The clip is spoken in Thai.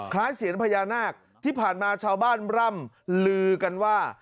เสียญพญานาคที่ผ่านมาชาวบ้านร่ำลือกันว่า